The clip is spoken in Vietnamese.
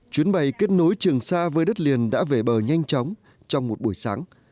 chuyến bay kết nối trường xa với đất liền đã về bờ nhanh chóng trong một buổi sáng